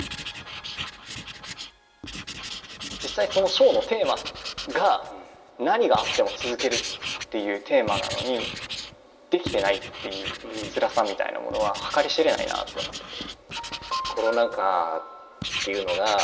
実際そのショーのテーマが「何があっても続ける」っていうテーマなのにできてないっていうつらさみたいなものは計り知れないなって思ってて。